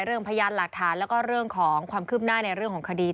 พยานหลักฐานแล้วก็เรื่องของความคืบหน้าในเรื่องของคดี